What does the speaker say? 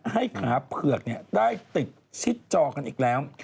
ให้ขาเผือกได้ติดชิดจอกันอีกแล้ว